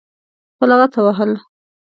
په لغته وهل.